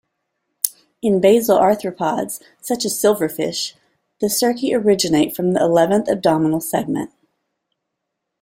In basal arthropods, such as silverfish, the cerci originate from the eleventh abdominal segment.